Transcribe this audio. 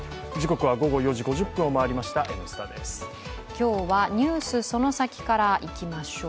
今日は「ＮＥＷＳそのサキ！」からいきましょう。